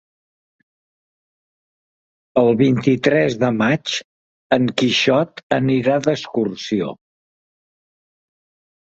El vint-i-tres de maig en Quixot anirà d'excursió.